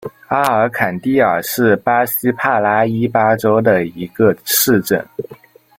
阿尔坎蒂尔是巴西帕拉伊巴州的一个市镇。